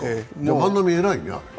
万波、偉いね。